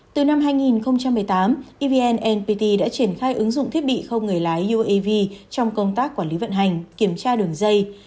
từ năm hai nghìn một mươi tám evn npt đã triển khai ứng dụng thiết bị không người lái uav trong công tác quản lý vận hành kiểm tra đường dây